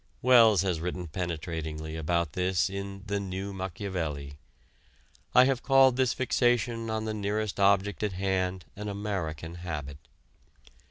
Wells has written penetratingly about this in "The New Machiavelli." I have called this fixation on the nearest object at hand an American habit.